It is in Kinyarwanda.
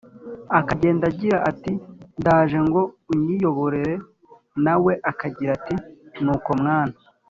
akagenda agira ati: “ndaje ngo unyiyoborere“. nawe akagira ati: “nuko mwana